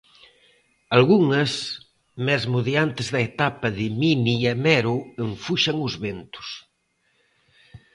Algunhas, mesmo de antes da etapa de Mini e Mero en Fuxan os Ventos.